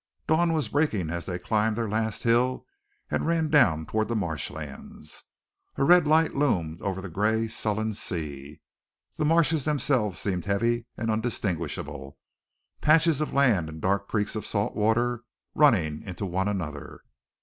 Dawn was breaking as they climbed their last hill and ran down toward the marshlands. A red light loomed over the gray, sullen sea. The marshes themselves seemed heavy and undistinguishable patches of land and dark creeks of salt water running into one another.